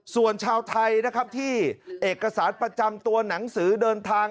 ส่วนชาวไทยนะครับที่เอกสารประจำตัวหนังสือเดินทาง